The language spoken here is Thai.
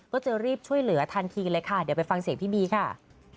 ก็จะรีบช่วยเหลือทันทีเลยค่ะเดี๋ยวไปฟังเสียงพี่บีค่ะ